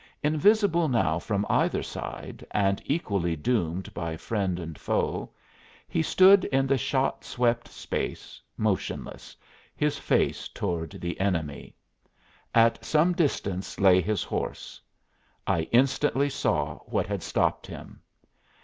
Invisible now from either side, and equally doomed by friend and foe, he stood in the shot swept space, motionless, his face toward the enemy. At some little distance lay his horse. I instantly saw what had stopped him.